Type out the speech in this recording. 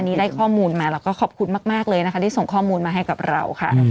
นี้ได้ข้อมูลมาแล้วก็ขอบคุณมากเลยนะคะที่ส่งข้อมูลมาให้กับเราค่ะ